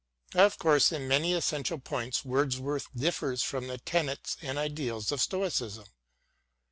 Of course in many essential points Wordsworth differs from the tenets and ideals of Stoicism.